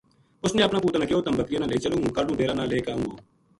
اس نے اپنا پُوتاں نا کہیو تَم بکریاں نا لے چلوں ہوں کاہڈو ڈیرا نا لے کے آؤں گو